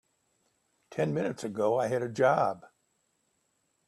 Ten minutes ago I had a job.